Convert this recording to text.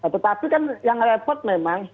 tetapi kan yang repot memang